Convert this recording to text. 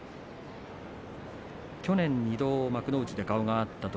去年２度幕内で顔が合っています。